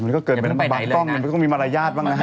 อะไรก็เกินไปบางกล้องมันก็ไม่ค่อยมีมารยาทบ้างนะฮะ